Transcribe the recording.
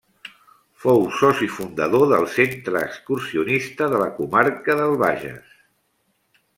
Fou Soci Fundador del Centre Excursionista de la Comarca de Bages.